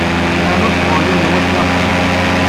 Rnu ṣber yiwen wass neɣ sin.